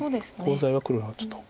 コウ材は黒の方がちょっと。